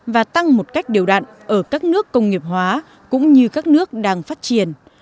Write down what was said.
và tăng một cách điều đạn ở các nước công nghiệp hóa cũng như các nước đang phát triển